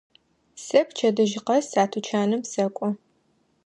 Сэ пчэдыжь къэс а тучаным сэкӏо.